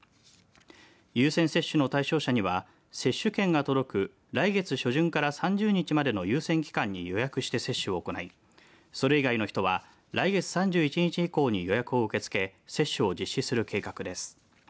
優先接種の対象者には接種券が届く来月初旬から３０日までの優先期間に予約して接種を行いそれ以外の人は来月３１日以降に予約を受け付け接種を実施する計画です。